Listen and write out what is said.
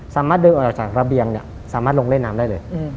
สามารถเดินออกจากระเบียงเนี่ยสามารถลงเล่นน้ำได้เลย